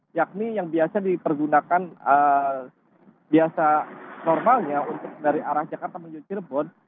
yakni yang biasa dipergunakan biasa normalnya untuk dari arah jakarta menuju cirebon